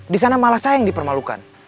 disana malah saya yang dipermalukan